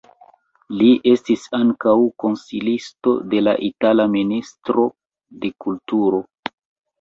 Li estis ankaŭ konsilisto de la itala ministro de kulturo.